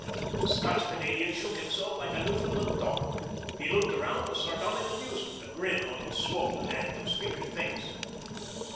The Scotch Canadian shook himself like a Newfoundland dog. He looked around with sardonic amusement, a grin on his swollen and disfigured face.